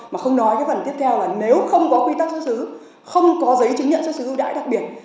mà không nói cái phần tiếp theo là nếu không có quy tắc xuất xứ không có giấy chứng nhận xuất xứ ưu đãi đặc biệt